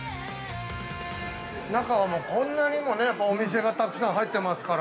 ◆中は、こんなにもお店がたくさん入ってますから。